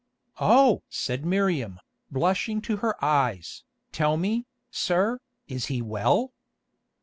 "Oh!" said Miriam, blushing to her eyes, "tell me, sir, is he well?"